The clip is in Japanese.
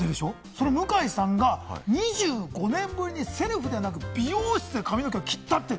その向井さんが２５年ぶりにセルフでなく、美容室で髪の毛を切った。